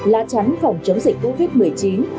lá trắng phòng chống dịch covid một mươi chín